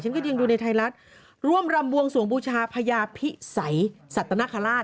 ก็ยังดูในไทยรัฐร่วมรำบวงสวงบูชาพญาพิสัยสัตนคราช